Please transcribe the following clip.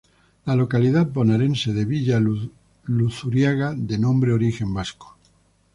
La localidad bonaerense de Villa Luzuriaga de nombre origen vasco.